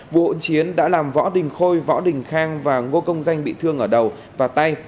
vụ hỗn chiến đã làm võ đình khôi võ đình khang và ngô công danh bị thương ở đầu và tay